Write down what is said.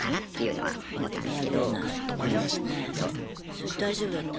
それ大丈夫だった？